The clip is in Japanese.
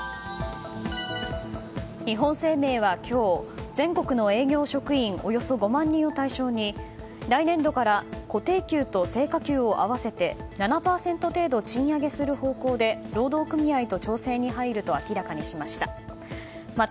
日本生命は今日全国の営業職員およそ５万人を対象に来年度から固定給と成果給を合わせて７％程度賃上げする方向で労働組合と調整に入ると明らかにしました。